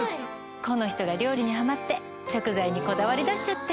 この人が料理にハマって食材にこだわり出しちゃって。